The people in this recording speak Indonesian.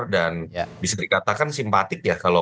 dan bisa dikatakan simpatik ya